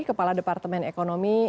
kepala departemen ekonomi